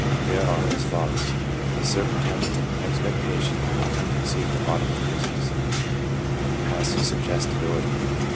They are as follows: — A certain temperament, expectation, and a tendency to automatisms and passive suggestibility.